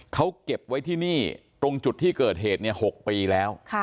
เขาเก็บไว้ที่นี่ตรงจุดที่เกิดเหตุ๖ปีแล้ว